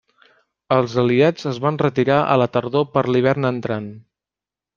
Els aliats es van retirar a la tardor per l'hivern entrant.